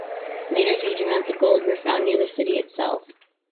Later huge amounts of gold were found near the city itself.